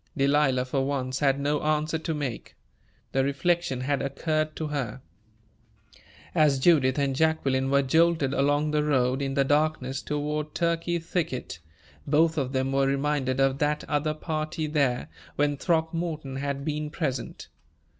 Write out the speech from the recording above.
Delilah, for once, had no answer to make. The reflection had occurred to her. As Judith and Jacqueline were jolted along the road, in the darkness, toward Turkey Thicket, both of them were reminded of that other party there, when Throckmorton had been present.